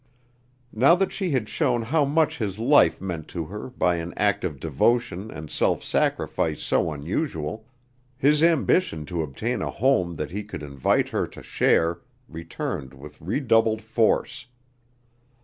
Now that she had shown how much his life meant to her by an act of devotion and self sacrifice so unusual, his ambition to obtain a home that he could invite her to share, returned with redoubled force.